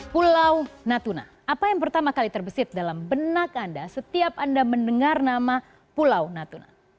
pulau natuna apa yang pertama kali terbesit dalam benak anda setiap anda mendengar nama pulau natuna